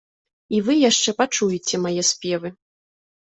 І вы яшчэ пачуеце мае спевы.